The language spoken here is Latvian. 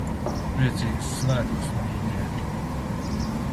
Priecīgus svētkus, mīļie!